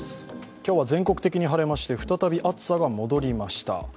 今日は全国的に晴れまして、再び暑さが戻りました。